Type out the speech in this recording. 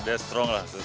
dia strong lah